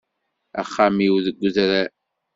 Axxam-iw deg udrar.